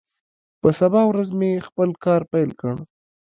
په سبا ورځ مې خپل کار پیل کړ.